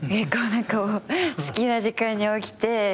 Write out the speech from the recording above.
好きな時間に起きて。